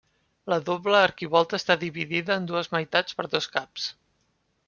La doble arquivolta està dividida en dues meitats per dos caps.